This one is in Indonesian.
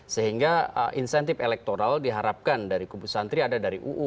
sehingga insentif elektoral diharapkan dari kubu santri ada dari uu